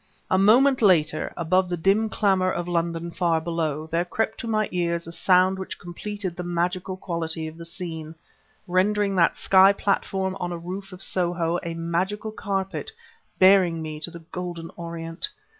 A moment later, above the dim clamor of London far below, there crept to my ears a sound which completed the magical quality of the scene, rendering that sky platform on a roof of Soho a magical carpet bearing me to the golden Orient.